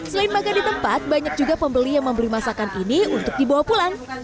selain makan di tempat banyak juga pembeli yang membeli masakan ini untuk dibawa pulang